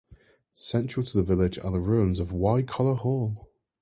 Central to the village are the ruins of Wycoller Hall.